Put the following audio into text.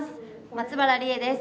松原梨恵です。